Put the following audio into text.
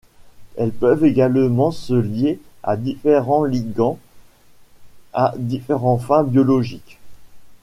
Elles peuvent également se lier à différents ligands à différentes fins biologiques.